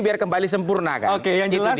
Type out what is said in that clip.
biar kembali sempurna kan